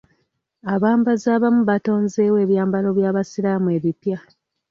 Abambazi abamu batonzeewo ebyambalo by'abasiraamu ebipya.